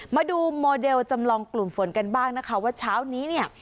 มาดูโมเดลจำลองกลุ่มฝนกันบ้างนะคะว่าเช้านี้เนี่ย